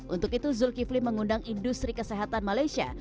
untuk itu zulkifli mengundang industri kesehatan malaysia